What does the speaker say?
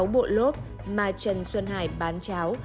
sáu bộ lốt mà trần xuân hải bán cháo